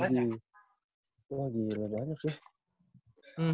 itu lagi banyak banget sih